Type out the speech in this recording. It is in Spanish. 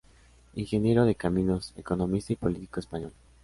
Ingeniero de caminos, economista y político español.